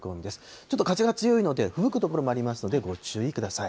ちょっと風が強いので、ふぶく所もありますので、ご注意ください。